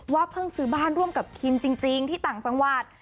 เพิ่งซื้อบ้านร่วมกับคิมจริงที่ต่างจังหวัด